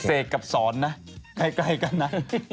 เสกกับสอนนะใกล้กันนะ